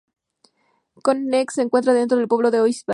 Cover Neck se encuentra dentro del pueblo de Oyster Bay.